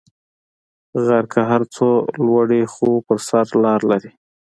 غر که هر څونده لوړ یی خو پر سر لاره لری